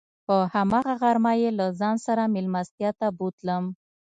په هماغه غرمه یې له ځان سره میلمستیا ته بوتلم.